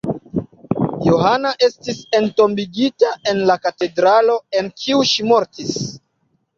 Johana estis entombigita en la katedralo, en kiu ŝi mortis.